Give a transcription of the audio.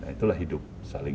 itulah hidup saling